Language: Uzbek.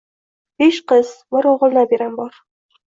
besh qiz, bir o’g’il nabiram bor.